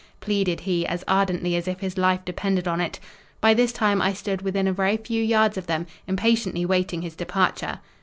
pleaded he as ardently as if his life depended on it. By this time I stood within a very few yards of them, impatiently waiting his departure.